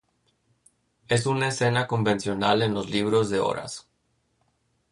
Es una escena convencional en los libros de horas.